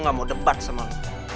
gue gak mau debat sama lo